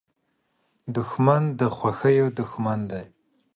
دښمن د خوښیو دوښمن دی